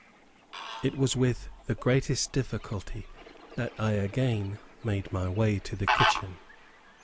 It was with the greatest difficulty that I again made my way to the kitchen.